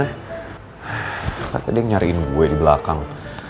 maka tadi yang nyariin gue di belakang